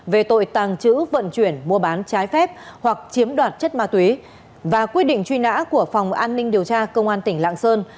về tội tàng trữ vận chuyển mua bán trái phép hoặc chiếm đoạt chất ma túy và quyết định truy nã của phòng an ninh điều tra công an tỉnh lạng sơn